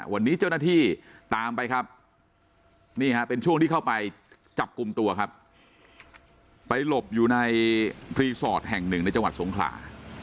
วันนี้เจ้าหน้าที่ตามไปครับนี่ฮะเป็นช่วงที่เข้าไปจับกลุ่มตัวครับไปหลบอยู่ในรีสอร์ทแห่งหนึ่งในจังหวัดสงขลา